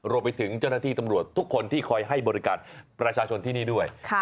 รวมไปถึงเจ้าหน้าที่ตำรวจทุกคนที่คอยให้บริการประชาชนที่นี่ด้วย